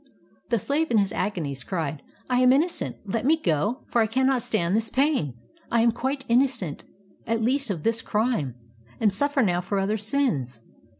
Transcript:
The slave in his agonies cried: "I am innocent, let me go, for I cannot stand this pain; I am quite innocent, at least of this crime, and suffer now for other sins.